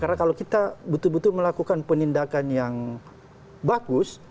karena kalau kita betul betul melakukan penindakan yang bagus